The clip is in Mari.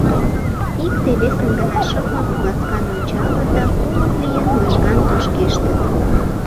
Икте-весым гына шыпак, ласкан ончалыт да, кумык лийын, лыжган тошкештыт.